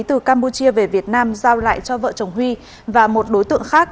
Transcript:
từ campuchia về việt nam giao lại cho vợ chồng huy và một đối tượng khác